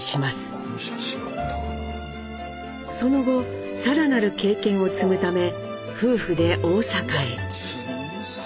その後更なる経験を積むため夫婦で大阪へ。